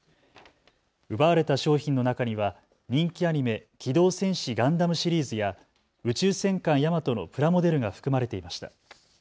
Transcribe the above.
奪われた商品の中には人気アニメ、機動戦士ガンダムシリーズや宇宙戦艦ヤマトのプラモデルが含まれていました。